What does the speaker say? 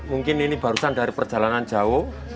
mungkin ini barusan dari perjalanan jauh